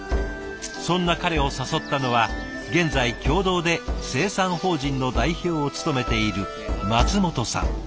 そんな彼を誘ったのは現在共同で生産法人の代表を務めている松本さん。